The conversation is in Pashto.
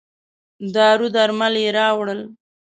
دارو درمل یې راووړل.